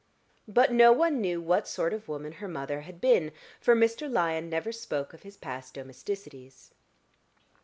But no one knew what sort of woman her mother had been, for Mr. Lyon never spoke of his past domesticities.